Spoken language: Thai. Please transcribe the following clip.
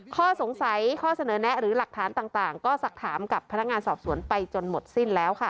ข้อสงสัยข้อเสนอแนะหรือหลักฐานต่างก็สักถามกับพนักงานสอบสวนไปจนหมดสิ้นแล้วค่ะ